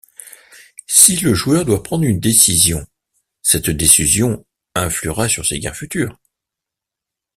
Si le joueur doit prendre une décision, cette décision influera sur ses gains futurs.